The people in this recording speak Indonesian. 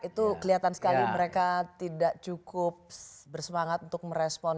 itu kelihatan sekali mereka tidak cukup bersemangat untuk merespon